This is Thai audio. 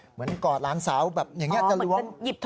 กอดหลานสาวแบบอย่างนี้จะล้วง